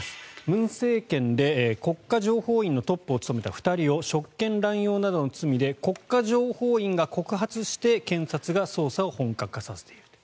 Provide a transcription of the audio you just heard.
文政権で国家情報院のトップを務めた２人を職権乱用などの罪で国家情報院が告発して検察が捜査を本格化している。